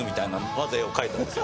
まず絵を描いたんです。